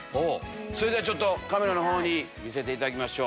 それではカメラの方に見せていただきましょう。